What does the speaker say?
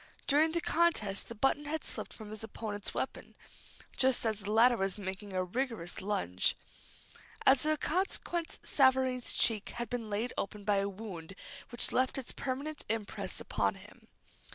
During the contest the button had slipped from his opponent's weapon, just as the latter was making a vigorous lunge. As a consequence Savareen's cheek had been laid open by a wound which left its permanent impress upon him.